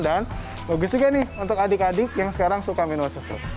dan bagus juga nih untuk adik adik yang sekarang suka minum susu